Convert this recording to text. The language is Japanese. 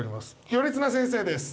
頼綱先生です。